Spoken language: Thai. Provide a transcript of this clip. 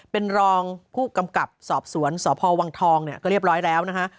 เป็นรองผู้กำกับสอบสวนสพวังทองเนี่ยก็เรียบร้อยแล้วนะฮะ